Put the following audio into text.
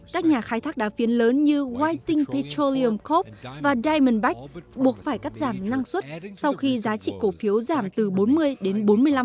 các nhà khai thác đá phiến lớn như whiting petroleum corp và diamondback buộc phải cắt giảm năng suất sau khi giá trị cổ phiếu giảm từ bốn mươi đến bốn mươi năm